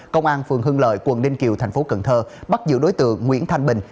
công an phường hưng lợi quận ninh kiều thành phố cần thơ bắt giữ đối tượng nguyễn thanh bình